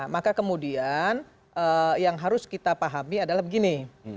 maka kemudian yang harus kita pahami adalah begini